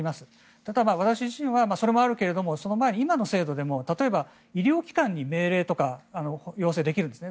ただ、私自身はそれもあるけれどその前に今の制度でも例えば医療機関に命令とか要請はできるんですね。